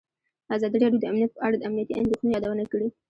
ازادي راډیو د امنیت په اړه د امنیتي اندېښنو یادونه کړې.